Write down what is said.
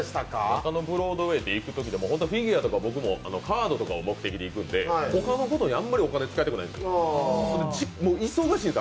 中野ブロードウェイって行くとき、もうフィギュアとか僕もカードとかを持っていくんで他のことにあんまりお金使いたくないんです。